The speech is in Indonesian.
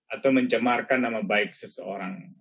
atau mencemarkan nama baik seseorang